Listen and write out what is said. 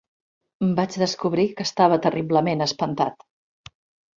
Vaig descobrir que estava terriblement espantat